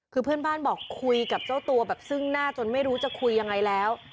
คือเพื่อนบ้านบอกคุยกับเจ้าตัวแบบซึ่งหน้าจนไม่รู้จะคุยยังไงแล้ว